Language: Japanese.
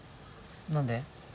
何で？